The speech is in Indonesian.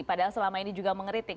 padahal selama ini juga mengeritik